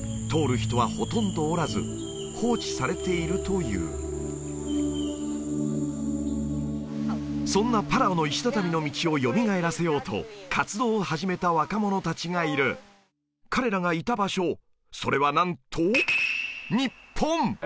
人はほとんどおらず放置されているというそんなパラオの石畳の道をよみがえらせようと活動を始めた若者達がいる彼らがいた場所それはなんと日本！